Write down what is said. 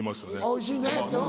「おいしいね」ってうん。